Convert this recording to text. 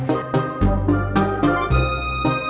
ayo cepetan kita cek